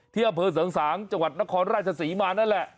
ที่เผลอสองสางจังหวัดนครราชสีมานั่นแหละ